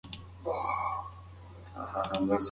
هغه د جګړې په میدان کې هر ډول سختۍ وګاللې.